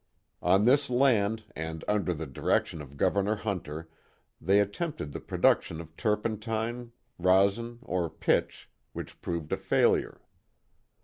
On this land, and under the direction of Governor Hunter, they attempted the production of turpentine, resin, or pitch, which proved a failure.